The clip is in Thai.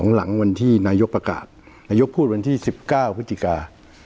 หลังวันที่นายกประกาศนายกพูดวันที่๑๙พฤศจิกา